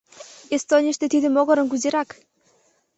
— Эстонийыште тиде могырым кузерак?